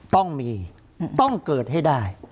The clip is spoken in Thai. ต้องมีต้องเกิดให้ได้